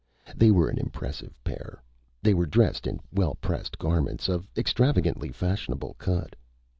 They were an impressive pair. They were dressed in well pressed garments of extravagantly fashionable cut.